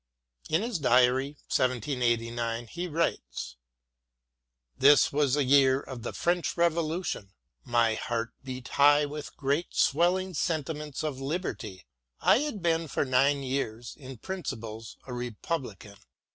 In his diary, 1789, he writes : This was the year of the French Revolution. My heart beat high with great swelling sentiments of Liberty. I had been for nine years, in principles, a republican.